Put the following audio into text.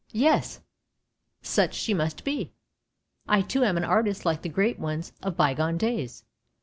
yes, such she must be. I too am an artist like these great ones of by gone days.